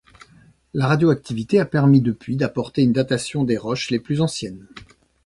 La radioactivité a permis depuis d'apporter une datation des roches les plus anciennes.